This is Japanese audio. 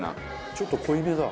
ちょっと濃いめだ。